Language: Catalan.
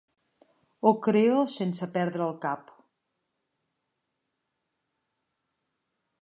Ho creo sense perdre el cap.